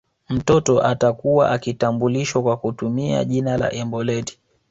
Mtoto atakuwa akitambulishwa kwa kutumia jina la embolet